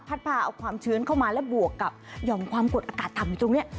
พาเอาความชื้นเข้ามาและบวกกับหย่อมความกดอากาศต่ำอยู่ตรงนี้